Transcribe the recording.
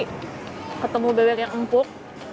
ketemu bebek yang empuk